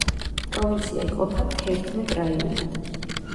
პროვინცია იყოფა თერთმეტ რაიონად.